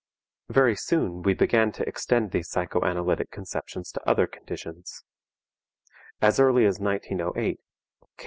Very soon we began to extend these psychoanalytic conceptions to other conditions. As early as 1908, K.